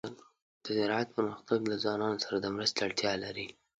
د زراعت پرمختګ له ځوانانو سره د مرستې اړتیا لري.